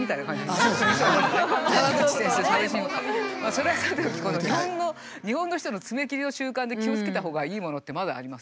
まあそれはさておきこの日本の人のツメ切りの習慣で気をつけたほうがいいものってまだあります。